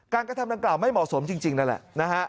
กระทำดังกล่าวไม่เหมาะสมจริงนั่นแหละนะฮะ